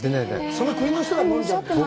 その国の人が飲んじゃうんでしょう。